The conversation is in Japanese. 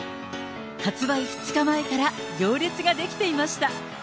発売２日前から行列が出来ていました。